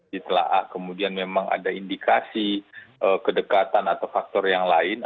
ditelaah kemudian memang ada indikasi kedekatan atau faktor yang lain